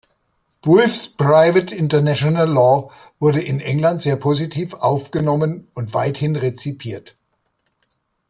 Wolffs "Private International Law" wurde in England sehr positiv aufgenommen und weithin rezipiert.